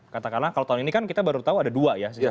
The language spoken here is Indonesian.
katakanlah kalau tahun ini kan kita baru tahu ada dua ya